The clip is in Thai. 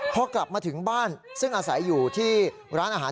พอกลับมาถึงบ้านซึ่งอาศัยอยู่ที่ร้านอาหาร